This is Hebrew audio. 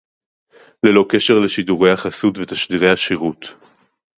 ללא קשר לשידורי החסות ותשדירי השירות